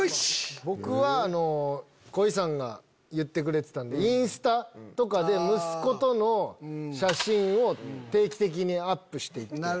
僕は恋さんが言ってくれてたんでインスタとかで息子との写真を定期的にアップして行って。